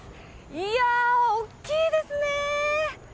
いやー、大きいですね。